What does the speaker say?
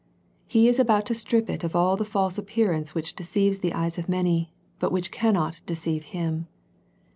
He is about to strip it of all the false appearance which deceives the eyes of many, but which cannot deceive Him.